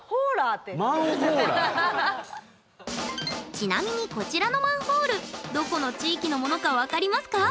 ちなみにこちらのマンホールどこの地域のものか分かりますか？